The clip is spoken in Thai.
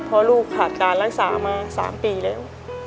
เพราะลูกขาดการรักษามา๓ปีแล้ว